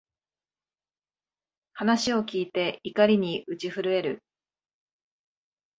話を聞いて、怒りに打ち震える